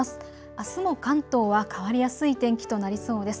あすも関東は変わりやすい天気となりそうです。